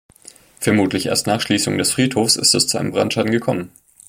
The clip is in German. Vermutlich erst nach Schließung des Friedhofs ist es zu einem Brandschaden gekommen.